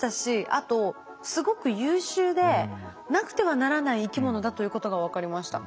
あとすごく優秀でなくてはならない生き物だということが分かりました。